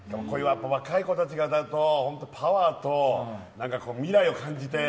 若い子たちが歌うとパワーと未来を感じて。